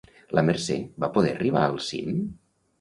La Mercè va poder arribar al cim?